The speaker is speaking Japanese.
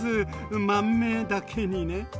まんめだけにね。